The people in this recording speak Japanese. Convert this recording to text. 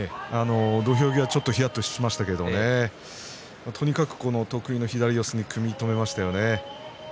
土俵際ちょっとひやっとしましたがとにかく得意の左四つ組み止めましたよね。